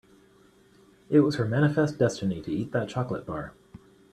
It was her manifest destiny to eat that chocolate bar.